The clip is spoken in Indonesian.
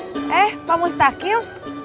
assalamualaikum ustaz qiyum